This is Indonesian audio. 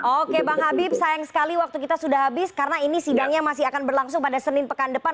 oke bang habib sayang sekali waktu kita sudah habis karena ini sidangnya masih akan berlangsung pada senin pekan depan